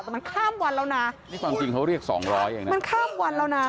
แต่มันข้ามวันแล้วนะนี่ความจริงเขาเรียกสองร้อยเองนะมันข้ามวันแล้วนะ